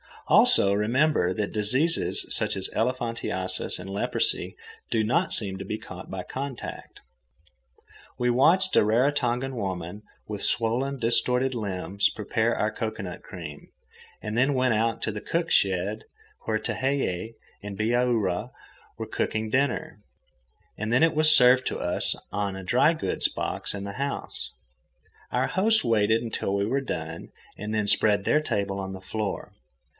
Also, remember that diseases such as elephantiasis and leprosy do not seem to be caught by contact. We watched a Raratongan woman, with swollen, distorted limbs, prepare our cocoanut cream, and then went out to the cook shed where Tehei and Bihaura were cooking dinner. And then it was served to us on a dry goods box in the house. Our hosts waited until we were done and then spread their table on the floor.